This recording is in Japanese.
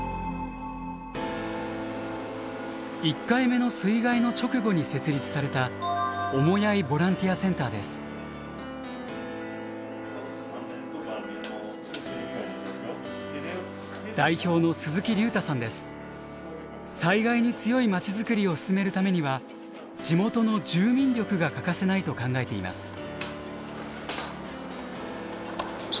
１回目の水害の直後に設立された災害に強い町づくりを進めるためには地元の住民力が欠かせないと考えています。